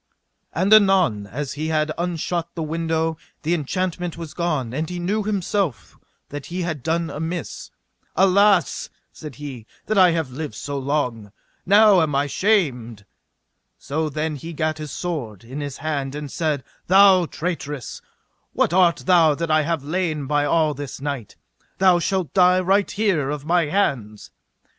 And anon as he had unshut the window the enchantment was gone; then he knew himself that he had done amiss. Alas, he said, that I have lived so long; now I am shamed. So then he gat his sword in his hand and said: Thou traitress, what art thou that I have lain by all this night? thou shalt die right here of my hands.